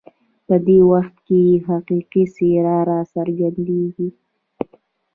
په دې وخت کې یې حقیقي څېره راڅرګندېږي.